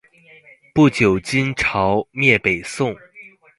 不久金朝灭北宋。